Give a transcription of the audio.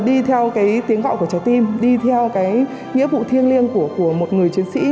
đi theo cái tiếng gọi của trái tim đi theo cái nghĩa vụ thiêng liêng của một người chiến sĩ